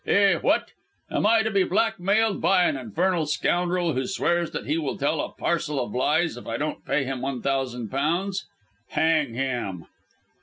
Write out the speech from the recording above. "Eh, what? Am I to be blackmailed by an infernal scoundrel who swears that he will tell a parcel of lies if I don't pay him one thousand pounds. Hang him."